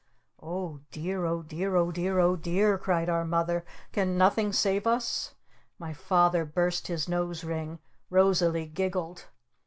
"Oh, dear oh, dear oh, dear oh, dear!" cried our Mother. "Can nothing save us?" My Father burst his nose ring! Rosalee giggled!